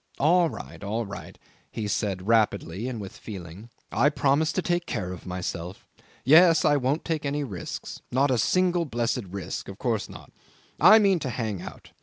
"All right, all right," he said, rapidly, and with feeling. "I promise to take care of myself. Yes; I won't take any risks. Not a single blessed risk. Of course not. I mean to hang out.